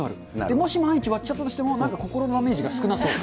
もし万一割っちゃったとしても、なんか、心のダメージが少なそう。